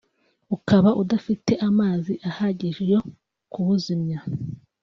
ukaba udafite amazi ahagije yo kuwuzimya